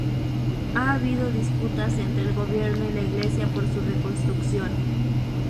Ha habido disputas entre el gobierno y la iglesia por su reconstrucción.